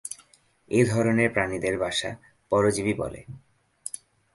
এ ধরনের প্রাণীদের বাসা পরজীবী বলে।